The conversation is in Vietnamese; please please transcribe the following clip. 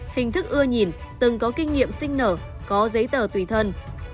hình thức ưa nhìn từng có kinh nghiệm sinh nở có giấy tờ tùy thân